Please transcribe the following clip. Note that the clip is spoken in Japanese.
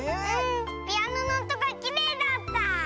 ピアノのおとがきれいだった。